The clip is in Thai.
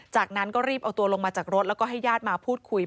จากนั้นก็รีบเอาตัวลงมาจากรถแล้วก็ให้ญาติมาพูดคุย